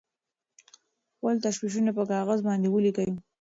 خپل تشویشونه په کاغذ باندې ولیکئ.